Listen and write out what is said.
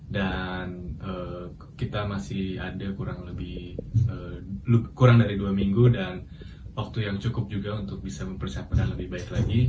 dan kita masih ada kurang dari dua minggu dan waktu yang cukup juga untuk bisa mempersiapkan lebih baik lagi